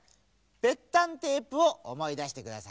ぺったんテープをおもいだしてくださいね。